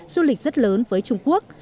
du lịch rất lớn với trung quốc